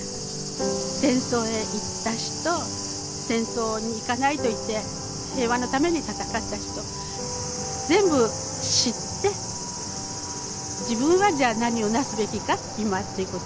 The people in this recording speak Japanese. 戦争へ行った人戦争に行かないと言って平和のために戦った人全部知って自分はじゃあ何をなすべきか今ってことをね